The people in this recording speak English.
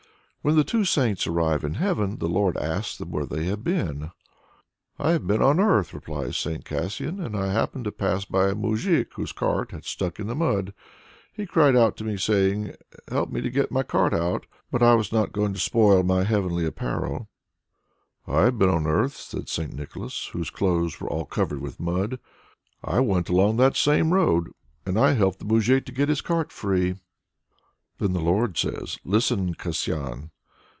When the two saints arrive in heaven, the Lord asks them where they have been. "I have been on the earth," replies St. Kasian. "And I happened to pass by a moujik whose cart had stuck in the mud. He cried out to me, saying, 'Help me to get my cart out!' But I was not going to spoil my heavenly apparel." "I have been on the earth," says St. Nicholas, whose clothes were all covered with mud. "I went along that same road, and I helped the moujik to get his cart free." Then the Lord says, "Listen, Kasian!